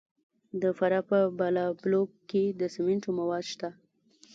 د فراه په بالابلوک کې د سمنټو مواد شته.